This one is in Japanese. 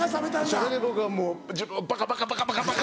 それで僕はもう自分をバカバカバカバカバカ！